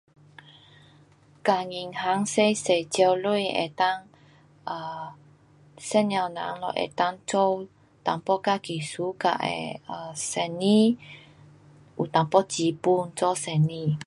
跟银行先先借钱能够 um，妇女人咯能够做一点自己 suka 的生意，有一点治本做生意。